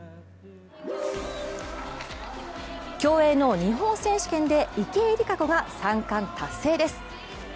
競泳の日本選手権で池江璃花子が３冠達成です。